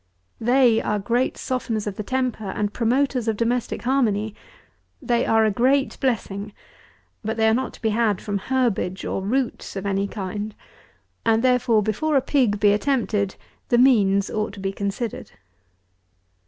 They are great softeners of the temper, and promoters of domestic harmony. They are a great blessing; but they are not to be had from herbage or roots of any kind; and, therefore, before a pig be attempted, the means ought to be considered.